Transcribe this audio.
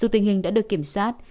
tình hình đã được kiểm soát